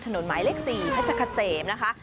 ถนนหมายเลข๔ให้จะขเซมนะคะ